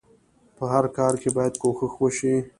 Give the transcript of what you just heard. په هر کار کې بايد کوښښ وشئ.